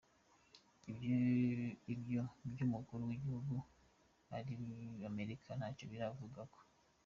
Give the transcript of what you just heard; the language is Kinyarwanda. Ibiro vy'umukuru w'igihugu wa Amerika ntaco birabivugako.